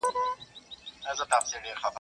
وربشې د کرنې لپاره کارېږي.